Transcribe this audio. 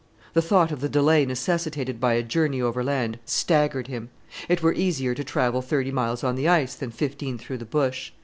The thought of the delay necessitated by a journey overland staggered him. It were easier to travel thirty miles on the ice than fifteen through the bush.